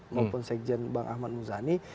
maupun sekjen bang ahmad muzani